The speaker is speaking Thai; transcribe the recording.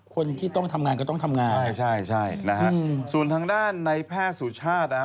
คนที่ต้องทำงานก็ต้องทำงานใช่ใช่นะฮะส่วนทางด้านในแพทย์สุชาตินะฮะ